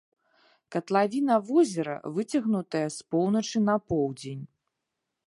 Катлавіна возера выцягнутая з поўначы на поўдзень.